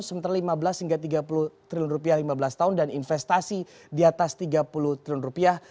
sementara lima belas hingga tiga puluh triliun rupiah lima belas tahun dan investasi di atas tiga puluh triliun rupiah